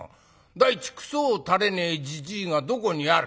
第一くそをたれねえじじいがどこにある？」。